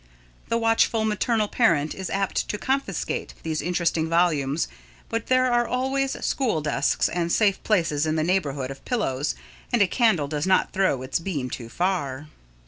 The watchful maternal parent is apt to confiscate these interesting volumes, but there are always school desks and safe places in the neighbourhood of pillows, and a candle does not throw its beams too far.